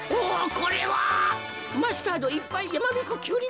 これはマスタードいっぱい山びこキュウリ